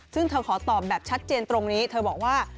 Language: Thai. ซึ่งเธอขอตอบแบบชัดเจนตรงนี้เธอบอกว่า